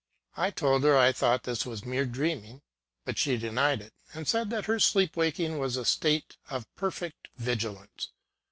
I told her I thought this was mere dreaming ; but she de nied it, and said that her sleep waking was a state of perfect vigilance.